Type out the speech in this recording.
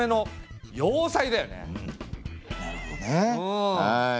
なるほどねはい。